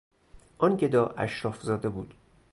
آن گدا اشرافزاده بود.